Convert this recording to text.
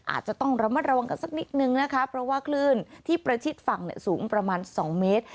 อาจจะต้องระมัดระวังกันสักนิดนึงนะคะเพราะว่าคลื่นที่ประชิดฝั่งสูงประมาณ๒เมตร